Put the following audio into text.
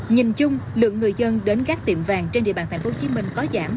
nhìn chung lượng người dân đến các tiệm vàng trên địa bàn tp hcm có giảm